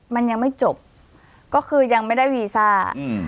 มันยังไม่จบก็คือยังไม่ได้วีซ่าอืม